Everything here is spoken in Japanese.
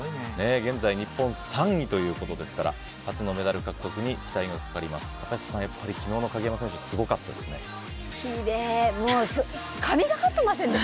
現在、日本３位ということですから明日のメダル獲得に期待が高まります。